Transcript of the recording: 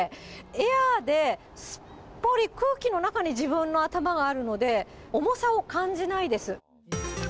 エアーですっぽり、空気の中に自分の頭があるので、重さを感じないです。